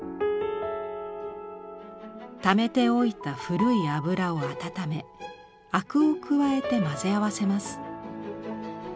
溜めておいた古い油を温め灰汁を加えて混ぜ合わせます。